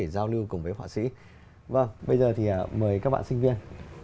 vâng bây giờ thì mời các bạn sinh viên